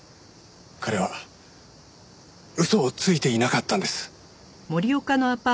彼は嘘をついていなかったんです。